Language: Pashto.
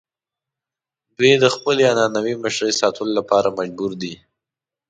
دوی د خپلې عنعنوي مشرۍ ساتلو لپاره مجبور دي.